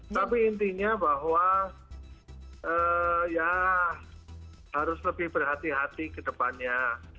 tapi intinya bahwa ya harus lebih berhati hati ke depannya